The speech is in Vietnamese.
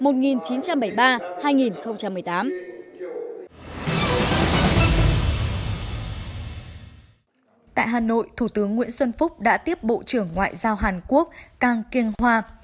tại hà nội thủ tướng nguyễn xuân phúc đã tiếp bộ trưởng ngoại giao hàn quốc cang kiên hoa